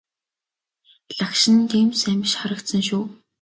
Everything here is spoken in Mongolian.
Лагшин нь тийм ч сайн биш харагдсан шүү.